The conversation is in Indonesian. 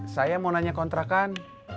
saya mau nanya kontrakan